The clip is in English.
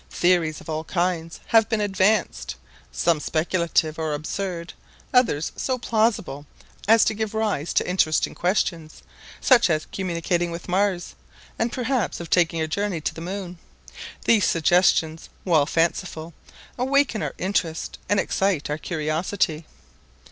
Theories of all kinds have been advanced; some speculative or absurd, others so plausible as to give rise to interesting questions, such as communicating with Mars, and perhaps of taking a journey to the Moon. These suggestions, while fanciful, awaken our interest and excite our curiosity.